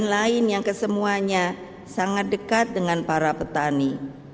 untuk membuat petani yang kesemuanya sangat dekat dengan para petani